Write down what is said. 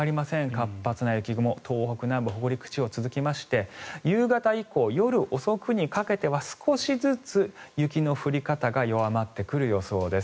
活発な雪雲、東北南部、北陸地方続きまして夕方以降、夜遅くにかけては少しずつ、雪の降り方が弱まってくる予想です。